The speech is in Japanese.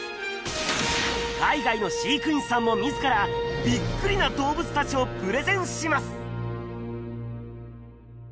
海外の飼育員さんも自らびっくりな動物達をプレゼンします！